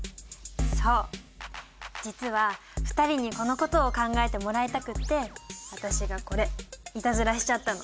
そう実は２人にこのことを考えてもらいたくって私がこれいたずらしちゃったの。